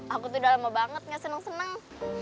aku sudah lama banget tidak senang senang